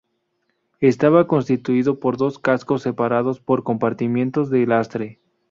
Estaba constituido por dos cascos separados por compartimientos de lastre.